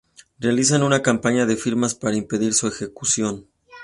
Realizan una campaña de firmas para impedir su ejecución.